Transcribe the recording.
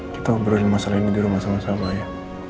kita ngobrolin masalah ini di rumah sama sama ya